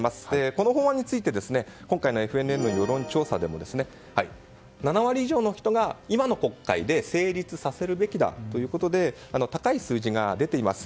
この法案について今回のＦＮＮの世論調査でも７割以上の人が、今の国会で成立させるべきだということで高い数字が出ています。